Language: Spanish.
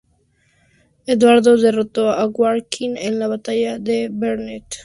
Eduardo derrotó a Warwick en la batalla de Barnet.